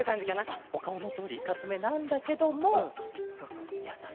あっおかおのとおりいかつめなんだけどもやさしい。